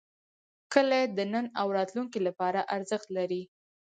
کلي د نن او راتلونکي لپاره ارزښت لري.